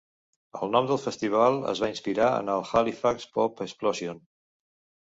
El nom del festival es va inspirar en el Halifax Pop Explosion.